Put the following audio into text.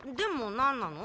なんなの？